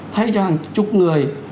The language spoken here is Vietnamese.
thay cho hàng chục người